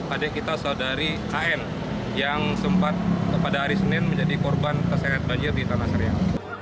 adik kita saudari an yang sempat pada hari senin menjadi korban tersengat banjir di tanah serial